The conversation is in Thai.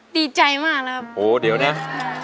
ดีใจมากนะครับ